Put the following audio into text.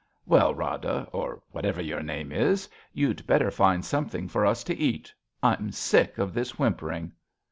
Well, Rada, or whatever your name is, you'd better find something for us to eat. I'm sick of this whimpering.